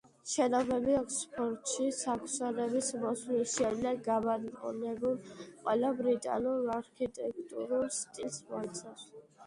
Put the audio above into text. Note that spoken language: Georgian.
შენობები ოქსფორდში საქსონების მოსვლის შემდეგ გაბატონებულ ყველა ბრიტანულ არქიტექტურულ სტილს მოიცავს.